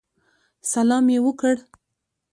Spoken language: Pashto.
سلام یې وکړ.